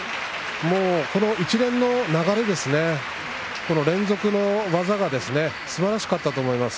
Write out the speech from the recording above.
この一連の流れ連続の技がすばらしかったと思います。